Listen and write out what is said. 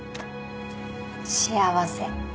幸せ。